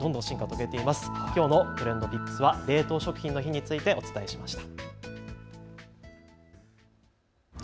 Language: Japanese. きょうのＴｒｅｎｄＰｉｃｋｓは冷凍食品の日についてお伝えしました。